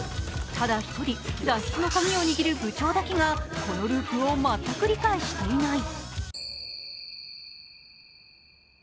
ただ一人、脱出のカギを握る部長だけがこのループを全く理解していない。